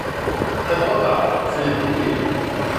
À trois pas ! je l’ai remarqué…